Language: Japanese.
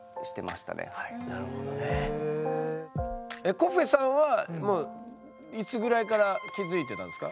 コッフェさんはいつぐらいから気づいてたんですか？